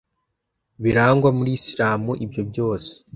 birangwa muri Islam ibyo byose